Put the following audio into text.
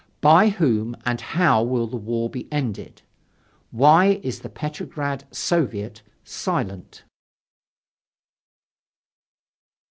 By whom and how will the war be ended? Why is the Petrograd Soviet silent?"